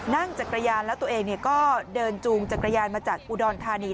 นั่งจักรยานแล้วตัวเองก็เดินจูงจักรยานมาจากอุดรธานี